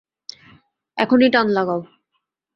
এখনই টান লাগাও।